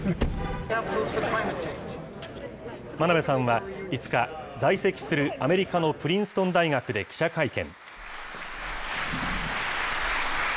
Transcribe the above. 真鍋さんは５日、在籍するアメリカのプリンストン大学で記者会見。